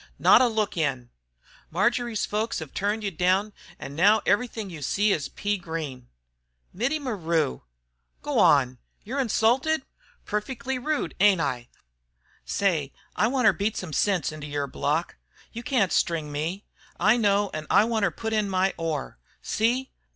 Not a look in! Marjory's folks hev trun you down, an' now everything you see is pea green." "Mittie Maru " "Go wan! Yer insulted? Perfeckly rude, ain't I? Say, I wanter beat some sense into yer block. You can't string me. I know, an' I wanter put in my oar. See!